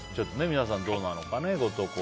皆さん、どうなのかご投稿